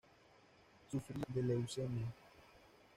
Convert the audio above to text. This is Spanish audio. Sufría de leucemia.